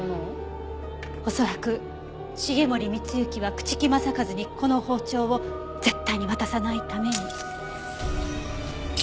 恐らく繁森光之は朽木政一にこの包丁を絶対に渡さないために。